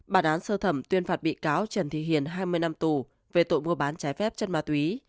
bản án sơ thẩm tuyên phạt bị cáo trần thị hiền hai mươi năm tù về tội mua bán trái phép chất ma túy